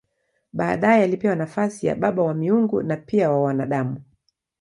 Baadaye alipewa nafasi ya baba wa miungu na pia wa wanadamu.